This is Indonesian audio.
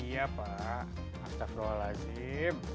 iya pak astagfirullahaladzim